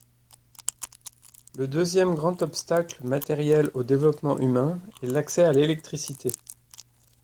Le deuxième grand obstacle matériel au développement humain est l'accès à l’électricité.